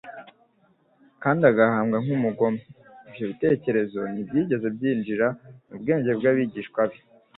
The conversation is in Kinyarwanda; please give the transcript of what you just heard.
kandi akabambwa nk'umugome, ibyo bitekerezo ntibyigeze byinjira mu bwenge bw'abigishwa be.